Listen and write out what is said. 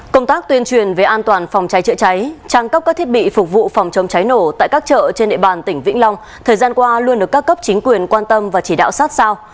công tác tuyên truyền về an toàn phòng cháy chữa cháy trang cấp các thiết bị phục vụ phòng chống cháy nổ tại các chợ trên địa bàn tỉnh vĩnh long thời gian qua luôn được các cấp chính quyền quan tâm và chỉ đạo sát sao